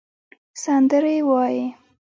سندرې ووایې